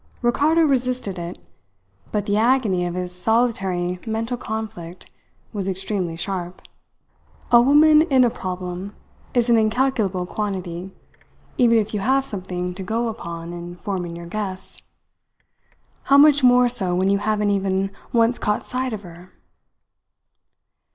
Ricardo resisted it; but the agony of his solitary mental conflict was extremely sharp. A woman in a problem is an incalculable quantity, even if you have something to go upon in forming your guess. How much more so when you haven't even once caught sight of her.